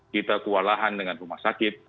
kita kewalahan dengan rumah sakit